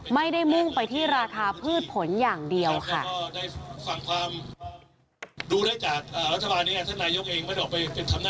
มุ่งไปที่ราคาพืชผลอย่างเดียวค่ะ